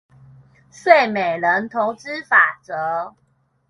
睡美人投資法則